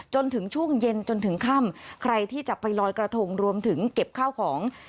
จนถึงช่วงเย็นจนถึงค่ำใครที่จะไปลอยกระทงรวมถึงเก็บข้าวของ